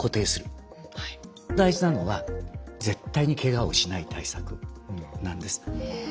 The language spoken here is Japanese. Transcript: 大事なのは絶対にケガをしない対策なんです。